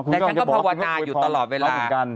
แต่ฉันก็ภาวนาอยู่ตลอดเวลา